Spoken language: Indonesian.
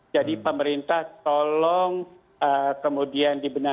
jadi pemerintah tolong kemudian dibenarkan